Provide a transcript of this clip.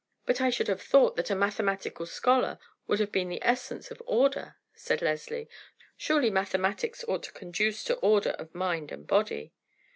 "But I should have thought that a mathematical scholar would have been the essence of order," said Leslie. "Surely mathematics ought to conduce to order of mind and body."